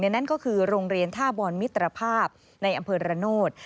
นั่นก็คือโรงเรียนท่าบอลมิตรภาพในอำเภอระโนธ